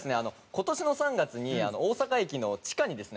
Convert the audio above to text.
今年の３月に大阪駅の地下にですね